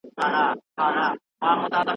خاوند دي د خپلي ميرمني سره ډير ښه ژوند وکړي.